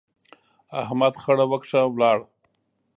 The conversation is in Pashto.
احمد خړه وکښه، ولاړ.